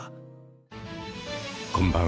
こんばんは。